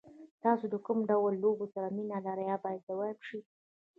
تاسو له کوم ډول لوبو سره مینه لرئ باید ځواب شي.